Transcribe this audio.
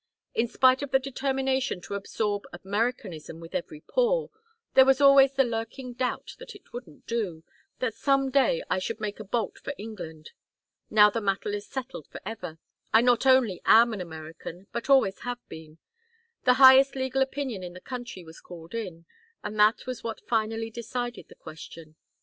In spite of the determination to absorb Americanism with every pore, there was always the lurking doubt that it wouldn't do; that some day I should make a bolt for England. Now the matter is settled forever. I not only am an American but always have been. The highest legal opinion in the country was called in, and that was what finally decided the question.